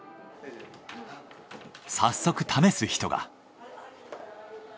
早速試す人が。